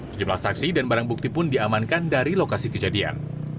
sejumlah saksi dan barang bukti pun diamankan dari lokasi kejadian